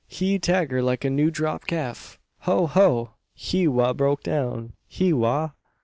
Hee 'tagger like new drop calf. Ho! ho! he wa broke down he wa!"